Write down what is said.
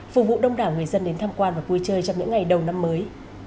phục vụ đông đảo người dân đến tham quan và vui chơi trong những ngày đầu năm mới